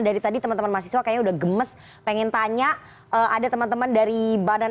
dari tadi teman teman mahasiswa kayaknya udah gemes pengen tanya ada teman teman dari badan